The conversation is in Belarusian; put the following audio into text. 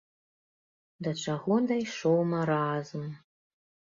Да чаго дайшоў маразм!